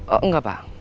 oh enggak pak